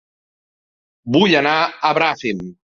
Vull anar a Bràfim